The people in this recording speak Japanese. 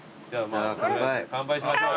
乾杯しましょう。